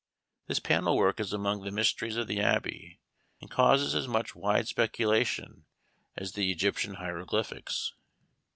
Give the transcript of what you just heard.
This panel work is among the mysteries of the Abbey, and causes as much wide speculation as the Egyptian hieroglyphics.